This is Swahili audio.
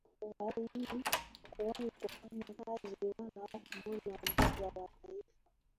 Hakuwahi kufanya kazi wala kumwona Baba wa Taifa